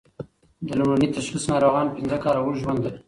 د لومړني تشخیص ناروغان پنځه کاله اوږد ژوند لري.